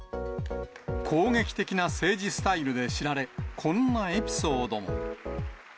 攻撃的な政治スタイルで知られ、こんなエピソードも。